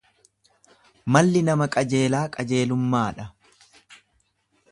Malli nama qajeelaa qajeelummaa dha.